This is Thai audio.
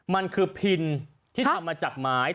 มันคือพินที่ทำมาจากไม้